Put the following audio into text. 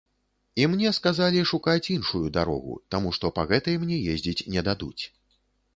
І мне сказалі шукаць іншую дарогу, таму што па гэтай мне ездзіць не дадуць.